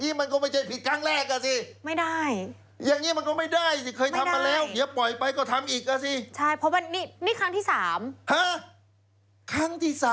อย่างยิ่งนี้มันก็ไม่ใช่ผิดครั้งแรกอะสิ